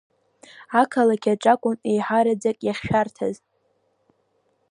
Ақалақь аҿы акәын еиҳараӡак иахьшәарҭаз.